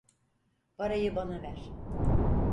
Parayı bana ver.